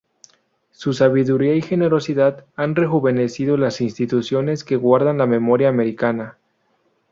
Su sabiduría y generosidad han rejuvenecido las instituciones que guardan la memoria americana".